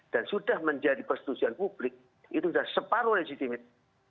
dan sudah menjadi persetujuan publik itu sudah separuh yang disimil